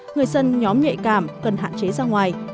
người dân nhóm nhẹ cảm cần hạn chế ra ngoài